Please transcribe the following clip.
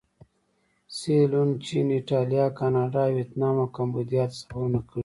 سیلون، چین، ایټالیې، کاناډا، ویتنام او کمبودیا ته سفرونه کړي.